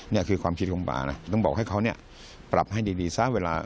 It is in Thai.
นี่คือความคิดของป่าต้องบอกให้เขาปรับให้ดีซ้ายเวลา